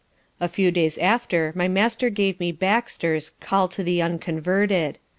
A few days after my master gave me Baxter's Call to the unconverted.